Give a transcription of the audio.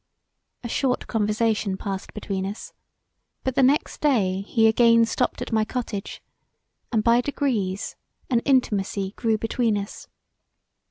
A short conversation passed between us, but the next day he again stopped at my cottage and by degrees an intimacy grew between us.